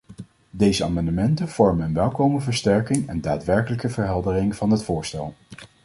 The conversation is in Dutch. Deze amendementen vormen een welkome versterking en daadwerkelijke verheldering van het voorstel.